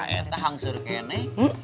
itu yang suruh ke ini